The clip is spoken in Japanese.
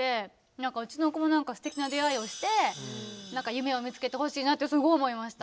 何かうちの子もすてきな出会いをして夢を見つけてほしいなってすごい思いました。